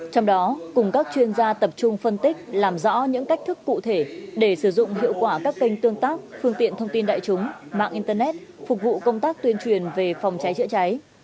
trong đó cùng các chuyên gia tập trung phân tích làm rõ những cách thức cụ thể để sử dụng hiệu quả các kênh tương tác phương tiện thông tin đại chúng mạng internet phục vụ công tác tuyên truyền về phòng cháy chữa cháy